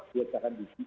biar jahat di ti